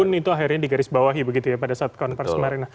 pun itu akhirnya di garis bawah ya begitu ya pada saat konversi kemarin